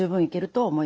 はい。